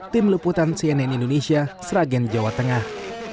tim liputan cnn indonesia sragen jawa tengah